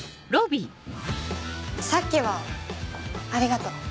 さっきはありがとう。